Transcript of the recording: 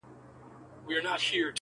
اکثر له دین او له وقاره سره لوبي کوي!